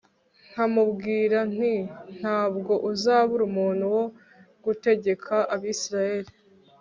nkamubwira nti ntabwo uzabura umuntu wo gutegeka abisirayeli